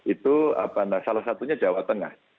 itu salah satunya jawa tengah